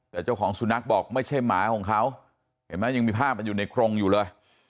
แต่เจ้าของสุนัขบอกไม่ใช่หมาของเขาเห็นไหมยังมีภาพมันอยู่ในกรงอยู่เลย